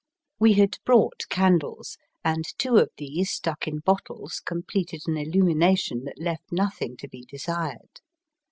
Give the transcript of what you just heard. We had brought candles, and two of these stuck in bottles, completed an illumination that left nothing to be desired.